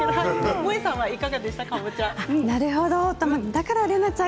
もえさん、いかがでしたか？